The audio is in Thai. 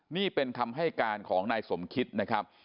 นี่เป็นคำให้การของนายสมคิดนะครับ